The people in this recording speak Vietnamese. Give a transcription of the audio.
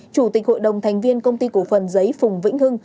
chủ tịch hội đồng thành viên công ty cổ phần giấy phùng vĩnh hưng